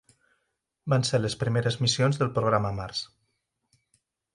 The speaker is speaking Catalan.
Van ser les primeres missions del programa Mars.